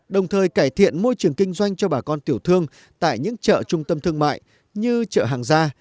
đồng thời cải thiện môi trường kinh doanh cho bà con tiểu thương tại những chợ trung tâm thương mại như chợ hàng gia